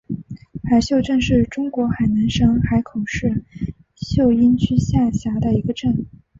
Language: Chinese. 海秀镇是中国海南省海口市秀英区下辖的一个镇。